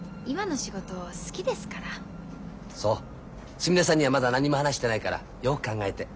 すみれさんにはまだ何も話してないからよく考えて。